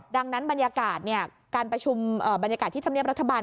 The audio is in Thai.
ดังนั้นบรรยากาศบรรยากาศที่ทำเนียบรัฐบาล